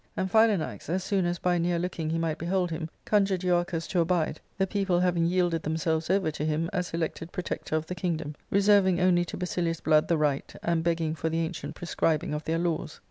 And Philanax, as soon as by near looking he might behold him, conjured Euarchus to abide, the people having yielded themselves over to him as elected protector of the kingdom, reserving only to Basilius' blood the right, and begging for the ancient prescribing of their laws.